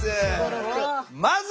なるほど。